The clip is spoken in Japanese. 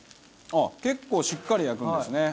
結構しっかり焼くんですね。